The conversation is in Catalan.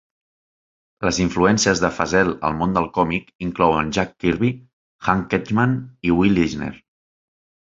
Les influències de Feazell al món del còmic inclouen Jack Kirby, Hank Ketcham i Will Eisner.